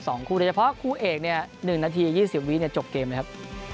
สองคู่แต่เฉพาะคู่เอกเนี่ยหนึ่งนาทียี่สิบวินจบเกมเลยครับ